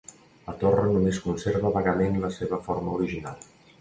La torre només conserva vagament la seva forma original.